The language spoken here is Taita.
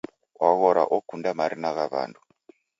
Waghora okunda marina gha w'andu.